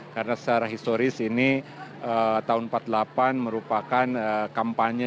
karena secara historis ini tahun seribu sembilan ratus empat puluh delapan merupakan kampanye